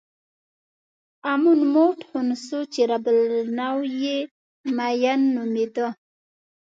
امون موټ خونسو چې رب النوع یې مېن نومېده.